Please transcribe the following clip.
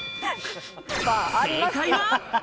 正解は。